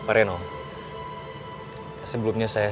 bapak jangan lupa untuk berjaga jaga